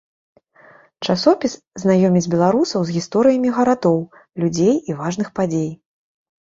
Часопіс знаёміць беларусаў з гісторыямі гарадоў, людзей і важных падзей.